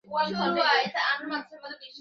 Roxie হার্টের diary!